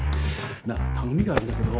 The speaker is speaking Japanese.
なあ頼みがあるんだけど。